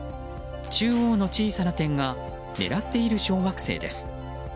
中央の小さな点が狙っている小惑星です。